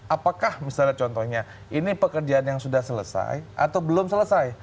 apakah misalnya contohnya ini pekerjaan yang sudah selesai atau belum selesai